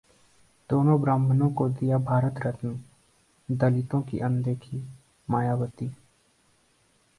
दो ब्राह्मणों को दिया भारत रत्न, दलितों की अनदेखीः मायावती